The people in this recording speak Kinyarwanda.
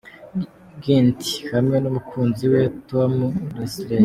Ginty hamwe n'umukunzi we Tom Risley.